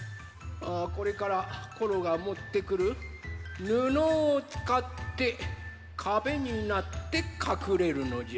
これからコロがもってくるぬのをつかってかべになってかくれるのじゃ。